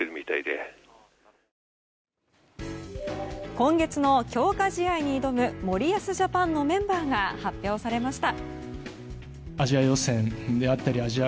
今月の強化試合に挑む森保ジャパンのメンバーが発表されました。